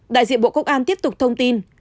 đại diện bộ công an tiếp tục thông tin